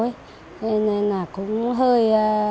thế nên là cũng hơi